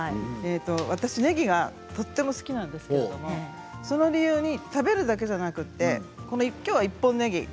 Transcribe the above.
私、ねぎがとても好きなんですけれどもその理由に食べるだけじゃなくてきょうは、１本ねぎ。